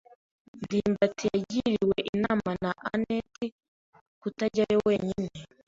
ndimbati yagiriwe inama na anet kutajyayo wenyine.